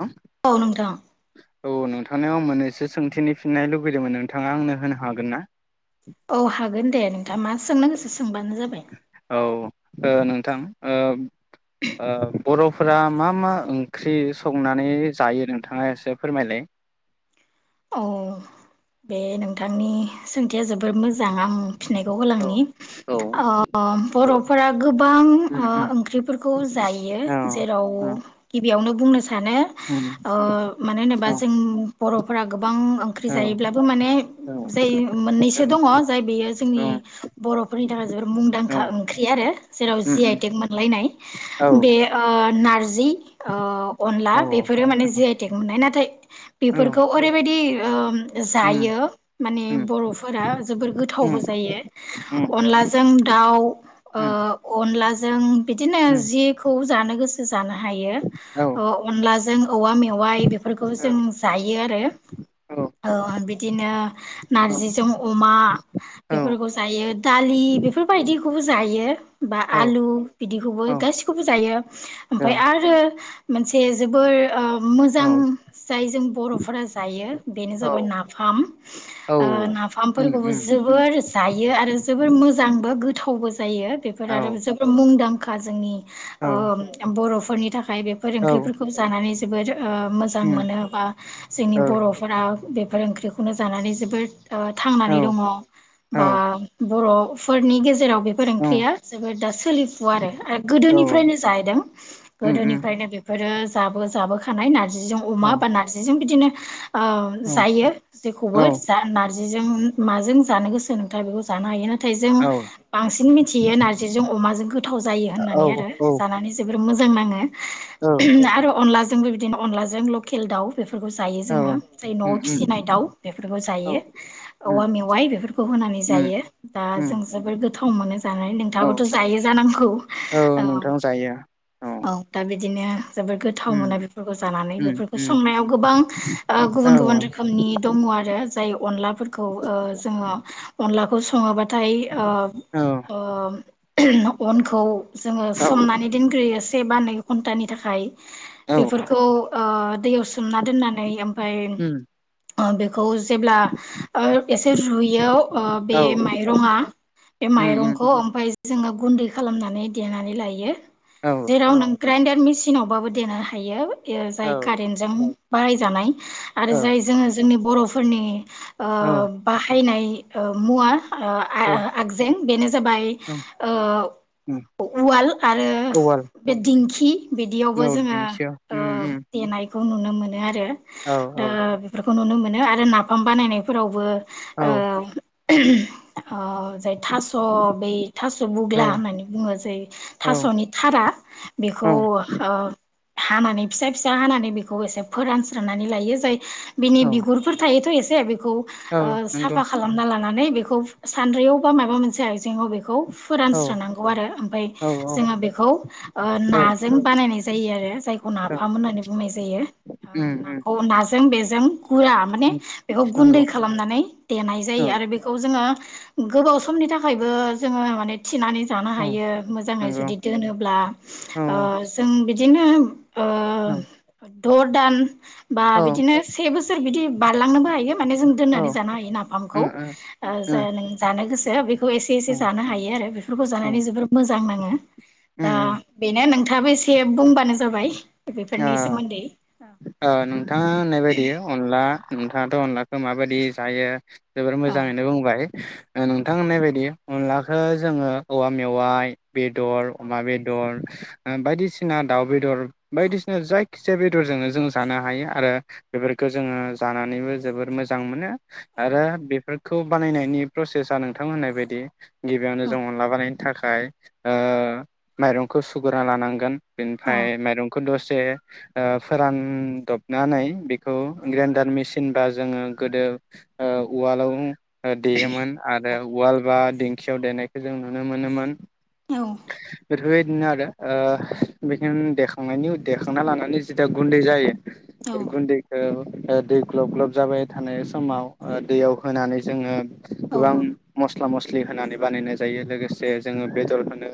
हम औ नोंथां। औ नोंथांनियाव मोनैसो सोंथिनि फिननाय लुुबैदोंमोन नोंथाङा आंनो होनो हागोन ना? औ हागोन दे नोंथां मा सोंनो गोसो स सोंबानो जाबाय औ ओ नोंथां ओ ओ बर'फोरा मा मा ओंख्रि संनानै जायो नोंथाङा एसे फोरमायलाय। औ बे नोंथांनि सों या जोबोर मोजां आं फिननायखौ औ होलांनि औ ओ औ बर'फोरा गोबां उम ओ उम ओंख्रिफोरखौ जायो औ जेराव औ गिबियावनो बुंनो सा सानो उम ओ मानो औ होनोबा जों बर गोबां ओंख्रि औ जायोब्लाबो माने जाय औ मोन्नैसो दङ जाय बेयो जोंनि बरफोरनि थाखाय जोबोद औ मुंदांखा ओंख्रि आरो जेराव उम जि आइ उम टेक मोनलायनाय औ बे ओ नारजि ओ अनला औ बेफोरो माने जि आइ टेक मोननाय नाथाय औ बेफोरखौ ओरैबायदि ओम उम उम जायो माने उम बर' फोरा जोबोर गोथावबो उम जायो अनलाजों दाउ उम ओ अनला जों बिदिनो उम जेखौ जानो गोसो सो जानो हायो औ ओ अनलाजों औवा मेवाइ बेफोरखौ औ जों जायो। यो आरो औ ओ बिदिनो नारजिजों अमा बेफोरखौ जायो दालि बेफोरबायदिखौबो जायो। बा आलु बिदिखौबो गासिखौबो जायो ओमफाय आरो मोनसे जोबोर ओ औ मोजां जाय जों बर' जायो बेनो औ जाबाय नाफाम औ ओ उम नाफामफोरखौबो उम जोबोर जायो आरो जोबोर मोजांबो गोथावबो जा जायो बेफोर आरो औ जोबोद मुंदां खा जोंनि औ ओ बर' फो फोरनि थाखा खाय बेफोर औ ओंख्रिफोरखौ जानानै जोबोर ओ मोजां उम मोनो बा नि औ बर' फोरा बेफोर ओंख्रिखौनो जानानै जोबोद ओ औ थांनानै दङ औ बा बर' फोरनि गेजेराव बेफोर औ ओंख्रिया जोबोद दा सोलिफुवा आरो गोदोनिफ्रायनो जाहैदों उम उम गोदोनिफ्रायनो बेफोरो जाबो जाबोखानाय नारज नारजिजों औ अमा बा नारजिजों बिदिनो ओ औ जायो जेखौबो जा नारज नारजिजों माजों जानो गोसो नोंथाङा बेखौ जानो हायो ना थाय जों औ बांसिन मिथियो नारजिजों अमाजों गोग गोथाव जायो होननानै औ जानानै जोबोद मोजां नाङो । आरो अनलाजों जोंबो बिदिनो अनलाजों लकेल दाउ । जायो औ जोंहा उम न'आव फिसिनाय दाउ बेफोरखौ औ जायो । औवा उम मेवाइ बेफोरखौ होनानै उम जायो । दा जों उम जोबोर गोथाव मोनो जानानै औ नोंथाङाबोथ' जायो जानांगौ, औ नोंथां जायो औ । बिदिनो जोबोर गोथाव मोना उम बेफोरखौ जानानै उम बेफोरखौ उम संनायाव गोबां ओ औ गुबुन गुबुन रोखोमनि दङ आरो । जाय अनलाफोरखौ ओ जोङो अनलाखौ सङोबा थाय ओ औ ओ ओ अनखौ जोङो सोमनानै दोनग्रोयो से बा नै घन्टानि थाखाय । उम औ बेफोरखौ ओ दैयाव - सोमना दोननानै ओमफ्राय अ बेखौ जेब्ला ओ एसे रुयो बे माइरङा बे उम उम माइंखौ ओमफ्राय जोङो गुन्दै खालामनानै देनानै लायो । औ देराव नों ग्रेन्डार मिसिनावबो देनो हायो । यो जाय औ कारेन्टजों बाहायजनाय आरो औ जाय जोङो जोंनि बर'फोरनि ओ औ बाहायनाय औ मुवा ओ औ आ-आगजें बेनो जाबाय ओ उम उवाल आरो उवाल बे दिंखि इ बिदियावबो औ जोङो दिंखिया ओ उम उम देनाय खौ नुनो मो नो आरो औ । दा औ बे खौ नुनो मोनो आरो नाफाम बानायनायफोरावबो औ [inaudible] अ जाय थास' बै थास' औ बुग्ला होननानै बुङो जै औ थास'नि थारा बेखौ औ ओ हानानै फिसा फिसा हानानै बेखौ एसे फोरानस्रोनानै लायो जाय बिनि औ बिगुरफोर थायोथ ए से खौ औ ओ नंगौ साफा खालामना लानानै बे खौ सानद्रैयाव बा माबा मोनसे आइजेंआव बेखौ औ फोरानस्रोनांगौ आरो ओमफाय औ जोङो बेखौ ओ औ नाजों बानायनाय जायो आरो जायखौ औ नाफाम होननानै बुंनाय जायो । उम उम जों बेजों गुरा माने उम बेखौ नंगौ गुन्दै खालामनानै देनाय औ जायो आरो बेखौ जोङो गोबाव समनि थाखायबो जोङो माने थिनानै जानो औ हायो मोजाङै नंगौ जुदि दोनोब्ला औ ओ जों बि दिनो ओ औ [unintelligible] दान बा औ बिदिनो से बोसोर बिदि बारलांनोबो हायो माने जों औ दोननानै जानो हायो नाफामखौ उम उम ओ जे नों जानो गो [unintelligible] एसे एसे उम जानो हायो आरो बेफोरखौ जानानै उम जोबोर मोजां नाङो दा उम उम बेनो नोंथ साबैसे बुंबा नो जाबाय बेफोरनि ओ सोमोन्दै । ओ नोंथाङा होननाय बायदि अनला नोंथाङाथ' अनलाखो माबायदि जायो जोबोर औ मोजाङैनो बुंबाय । नोंथां होननाय बायदि अनलाखौ जोङो औवा मेवाइ बेदर अमा बेदर ओ बायदिसिना दाउ बेदर बायदिसिना जायखि जाया बेदरजोंनो जों जानो हायो आरो बेफोरखौ जोङो जानानैबो जोबोर मोजां मोनो। औ आरो बेफोर खौ बानायनायनि प्रसेसा नोंथां होननाय बायदि । गिबियावनो जों अनला बानाय थाखाय ओ माइरंखौ सुगुरा लानांगोन । औ फाय माइरंखौ दस से ओ फोरान दबनानै बे खौ ग्रेनडार मेसिन ओनबा जोङो गोदो ओ उवालाव ओ देयोमोन आरो उवाल बा दिंखियाव देनायखौ जों नुनो मोनोमोन। औ बेबायदिनो आरो ओ बेखायनो देखांनायनि उ देखांना लानानै जिता गुन्दै जायो । औ बे गुन्दैखो ओ दै ग्लब ग्लब जाबाय थानाय समाव ओ दैयाव होनानै जोङो। औ गोबां मस मस्ला मस्लि होनानै बानायनाय जायो लोगोसे जोङो बेदरखौनो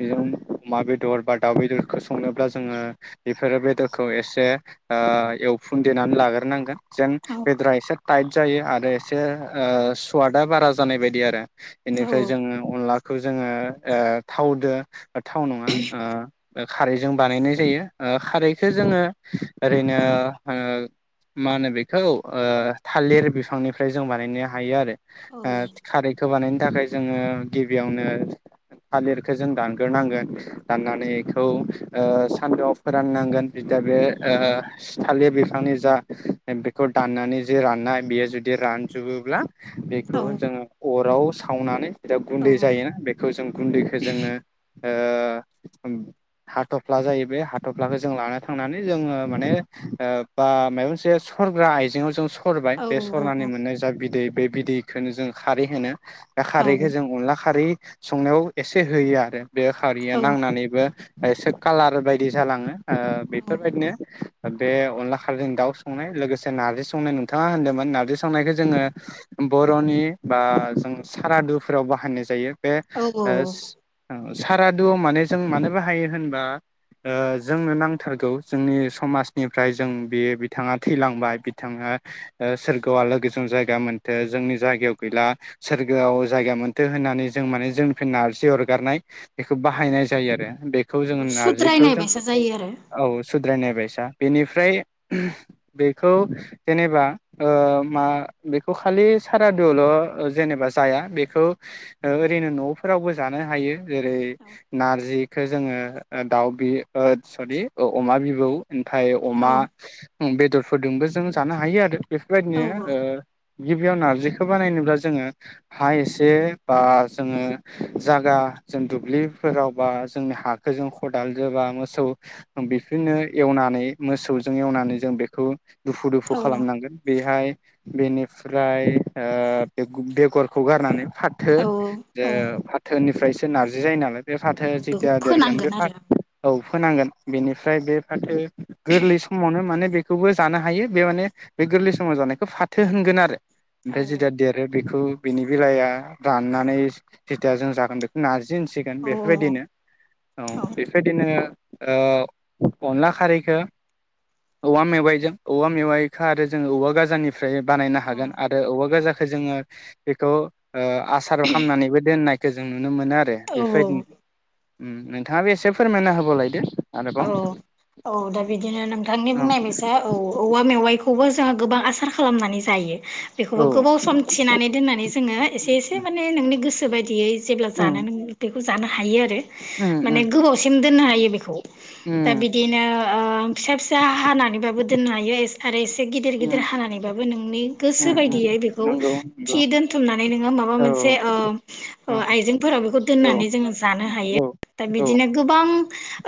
बेजों अमा बेदर बा दाउ बेदर खौ संनोब्ला जोङो बेफोरो बेदरखौ एसे ओ एवफुं देनानै लाग्रोनांगोन। जेन औ बेदरा इसे टाइट जायो आरो एसे ओ सवादा बारा जानाय बायदि आरो औ बेनिफ्राय जोङो अनला खौ जोङो ओ थावदो ओ थाव नङा ओ ओ खारैजों बानायनाय जायो। ओ खारैखो जोङो ओरैनो ओ मा होनो बेखौ ओ थालिर बिफांनिफ्राय जों बानायनो हायो आरो औ ओ खारैखो बानायनो थाखाय जोङो गिबियावनो थालिरखौ जों दानग्रोनांगोन दाननानै खौ ओ सान्दुंआव फोराननांगोन जिता बे ओ थाालिर बिफांनि जा बेखौ दाननानै जे राननाय बेयो जुदि रानजोबोब्ला बेखौ जोङो अराव सावनानै जा गुन्दै औ जायोना बेखौ जों गुन्दैखौ जोङो ओ ओमब हाथफ्ला जायो बे हाथफ्लाखौ जों लाना थांनानै जोङो माने ओ बा माबा मोनसे सरग्रा आइजेंआव जों स सरबाय बे सरनानै मोननाय जा बिदै बे बिदैखोनो जों खारै होनो खारैखौ जों अनला खारि संनायाव एसे होयो आरो बे खारिया नांनानैबो एसे कालार बायदि जालाङो आ बेफोरबायदिनो बे अनला खारजों दाउ संनाय लोगोसे नार्जि संनाय नोंथाङा होनदोंमोन नार्जि संनायखौ जोङो बरनि बा जों सारादुफोराव बाहायनाय जायो बे उ [unintelligible] सारादु माने जों मानो बाहायो होनबा उ जोंनो नांथारगौ जोंनि समाजनिफ्राय जों बेयो बिथाङा थैलांबाय बिथाङा सोरगोवाव आलोगोजों जायगा मोनथो जोंनि जायगायाव गैला सोरगोआव जायगा मोनथो होननानै जों माने जोंनिफ्राय नारजि अरगारनाय बेखौ बाहायनाय जायो आरो बे खौ जोङो बेखौ नारजिखौ सुद्रायनाय जों बायसा जायो आरो औ सुद्रायनाय बायसा बेनिफ्राय बेखौ जेनेबा ओ मा बेखौ खालि सारादुल जेनेबा जाया बेखौ ओरैनो नफोरावबो जानो हायो जेरै नार्जि जोङो दाउ बि उ सरि औ अमा बिबौ ओमफ्राय औ अमा [unintelligible] उम बेदरफोरदोंबो जों जानो हायो आरो औ बेफोरबायदिनो उ गिबियाव नारजिखौ बानायनोब्ला जोङो हा एसे बा जोङो जागा जों दुब्लिफोराव बा जोंनि हाखोजों खदाल जोबा मोसौ बेफिननो एवनानै मोसौजों एवनानै जों बेखौ दुफु दुफु औ खालामनांगोन बेहाय बेनिफ्राय ओ बे बेगरखौ गारनानै फाथो औ उ फाथोनिफ्रायसो नारजि जायो नालाय बे फाथो औ जि बेखौ देरगोन बे फोनांगोन फाथ आरो औ फोनांगोन बेनिफ्राय बे फाथो गोरलै समावनो माने बे खौबो जानो हायो बे माने बे गोरलै समाव जानायखौ फाथो होनगोन आरो औ ओमफ्राय जेथिया देरो बेखौ बेनि बेलाया राननानै जेथियाजों जागोन बेखौ नारजि बिदि होनसिगोन औ औ बेफोरबायदिनो औ बेबायदिनो ओ अनला खारैखो औवा मेवाइजों औवा मेवाइखो आरो जोङो औवा गाजाननि फ्रायनो बानायनो हागोन औ आरो औवा गाजा जोङो बेखौ ओ आसार खालामनानैबो दोननायखौ जों नु नो मोनो आरो औ औ बेफोरबायदिनो उम नोंथाङा बो एसे फोरमायना होबावलायदो । औ औ दा बिदिनो नोंथांनि बुंनाय बायसा औ औवा मेवाइखौ खौबो जोंङो गोबां आसार खालामनानै जायो। औ बेखौबो गोबाव सम थिनानै दोननानै जोङो उम एसे एसे माने नोंनि गोसो सो बायदियै जेब्ला जानो उम नों लुदै जानो हायो आरो उम माने गोबावसिम दोननो हायो बेखौ दा उम बिदिनो ओ फिसा फिसा हानानैबाबो दोननो हायो आरो एसे गिदिर गिदिर उम हानानैबाबो नोंनि गोसो उम बायदियै उम बेखौ नंगौ नंगौ थि दोनथुमनानै नोङो माबा ओ औ मोनसे ओ औ आइजेंफोराव बेखौ दोननानै जोङो जानो हायो औ दा औ बिदिनो गोबां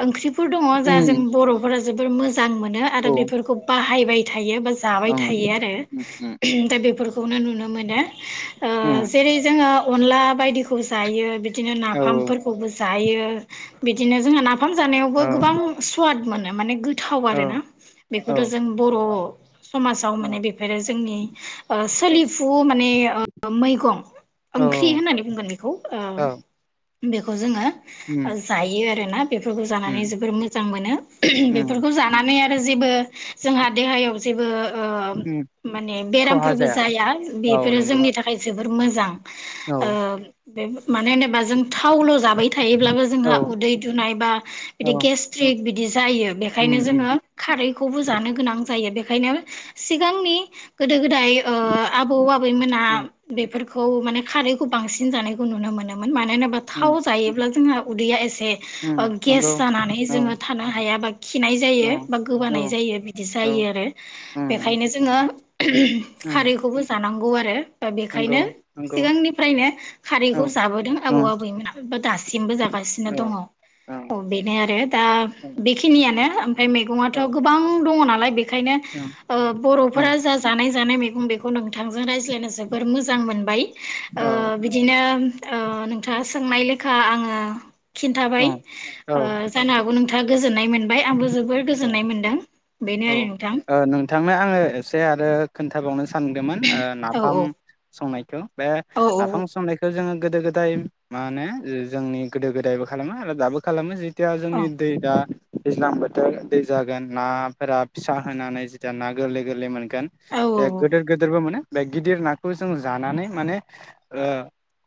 ओंख्रिफोर दङ जा जों उम बर'फोरा जोबोर मोज जां मोनो औ आरो ओं बेफोरखौ बाहाय [unintelligible] थायो बा जाबाय थायो आरो उम उम [unintelligible] दा बेफोर खौनो नुनो मोनो ओ उम जेरै- जोङो अनला बायदि खौ जायो बि दिनो औ नाफामफोरखौबोज जायो बिदिनो जोंहा ना ओंखाम जानायावबो औ गोबां सुवाद मोन माने थाव औ आरोना औ बेखौथ जों बर समाजाव माने बेफोरो जोंनि ओ औ सोलिफु माने ओ मैगं औ ओंख्रि होननानै बुंगोन बेखौ औ ओ बेखौ जोङो ओ उम जायो ना खौ जानानै उम जोबोर मोजां मोनो उम बेफोरखौ जानानै आरो जेबो जोंहा देहायाव जेबो ओ उम माने बेरामफोरबो जाया औ बेफोरो नंगौ जोंनि थाखाय जोब बोर मोजां औ ओ बेबु मानो होनोबा जों थावल जाबाय थायोब्लाबो जोंहा औ उदै दुनाय बा औ बिदि गेसट्रिक बि गेस जायो बेखायनो उम उम जोङो खारैखौबो जानो गोनां जायो बे ओंखायनो सिगांनि गोदो गोदाय ओ आबौ आबैमोना उम बेफोर खौ माने खारैखौ बांसिन जानायखौ नुनो मोनोमोन मानो होनोबा उम थाव जायोब्ला जोंहा उदैया एसे उम ओं गेस नंगौ जानानै औ जोङो थानो हायाबा खिनाय औ जायो बा औ गोबानाय जायो बिदि औ जायो आरो उम उम बेखायनो जोङो [inaudible] खारैखौबो जानांगौ गुवारे दा बेखायनो नंगौ नंगौ सिगांनिफ्रायनो औ खारैखौ जाबोदों औ आबौ आबैमोना बा दासिमबो जागासिनो दङ औ औ बेनो आरो दा औ बेखिनिया आनो उमफ्राय मैगङाथ औ गोबां दङ ना [unintelligible] बेखायनो औ ओ बरफोरा जा जानाय जानाय मैगं बेखौ नोंथांजों रायज्लायनो जोबोर मोजां मोनबाय ओ औ बिदिनो ओ नोंथाङा सो सोंनाय लेखा आङो खिन्थाबाय औ ओ जानो हागौ नोंथाङा गो आ गोजोन्नाय मोनबाय आंबो जोबोर गोजोन्नाय मोन्दों बेनो औ ओ आरो नोंथां खोनथाबावनो सा सानदोंमोन ओ औ नाफाम औ संनायखौ बे औ नाफाम संनायखौ जोङो गोदो गोदाय मा होनो जोंनि गोदो गोदायबो खालामो आरो दाबो खालामो जि थिया औ जोंनि दै दा दैज्लां बोथोर दै जागोन नाफोरा फिसा होनानै ज ना गोरलै गोरलै मोन गोन औ गेदेर गेदेरबो मोनो बे गिदिर नाखौ जों जानानै माने ओ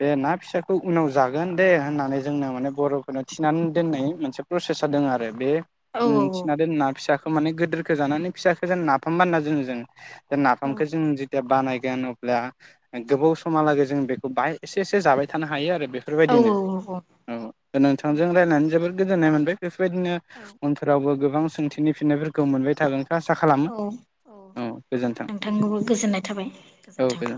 बे ना फिसाखौ उनाव जागोन दे होननानै जोंनो माने बरफोरनो थिनानै दोननाय मोनसे प्रसेसा दङ आरो बे औ उम थिनादोंनो ना फिसा खो माने गोदोरखौ जानानै फिसाखौ जों नाफामबायना दोननो जों। दा नाफामखौ‌ जों जिथिया बानाय गोन अब्ला गोबाव समहालागै जों बेखौ ब एसे एसे जाबाय थानो हायोआरो औ बेफोरबायदिनो औ औ औ नोंथांजों रायलनानै जोबोद गोजोननाय मोनबाय बेफ औ बेबायदिनो गोबां सोंथिनि फिननायफोरखौ मोनबाय थागोन औ औ दे गोजोन्थों नोंथांखौबो गोजोननाय थाबाय। औ गोजोन्थों। दे